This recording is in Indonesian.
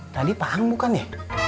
tadi pak ang bukan ya